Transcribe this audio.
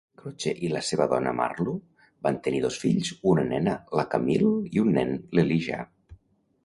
Croce i la seva dona Marlo van tenir dos fills, una nena, la Camille, i un nen, l'Elijah.